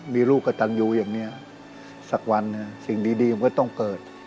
มีลูกกระตันยูอย่างนี้สักวันสิ่งดีผมก็ต้องเกิด